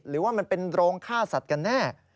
หรือว่ามันเป็นโรงฆ่าสัตว์กันแน่